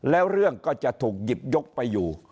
แล้วเรื่องก็จะถูกหยิบยกไปอยู่